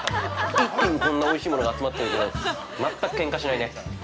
一気にこんなおいしいものが集まってるけど全くけんかしないね。